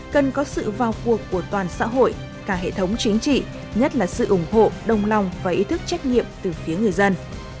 cần có sự vào cuộc của toàn xã hội cả hệ thống chính trị nhất là sự ủng hộ đồng lòng và ý thức trách nhiệm từ phía người dân